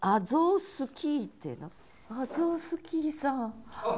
アゾースキーさん。